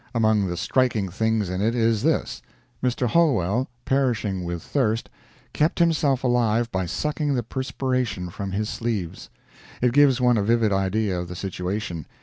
Among the striking things in it is this. Mr. Holwell, perishing with thirst, kept himself alive by sucking the perspiration from his sleeves. It gives one a vivid idea of the situation.